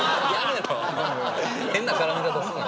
変な絡み方すな。